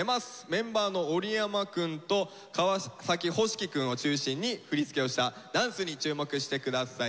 メンバーの織山くんと川星輝くんを中心に振り付けをしたダンスに注目してください。